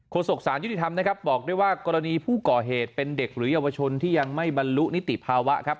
ศกสารยุติธรรมนะครับบอกด้วยว่ากรณีผู้ก่อเหตุเป็นเด็กหรือเยาวชนที่ยังไม่บรรลุนิติภาวะครับ